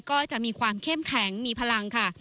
ก็จะมีความเข้มแข็งมีพลังค่ะ